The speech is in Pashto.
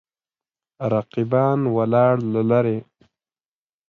رقیبان ولاړ له لرې.